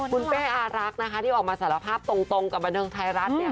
คุณเป้อารักที่ออกมาสารภาพตรงกับบันเทิงไทยรัฐ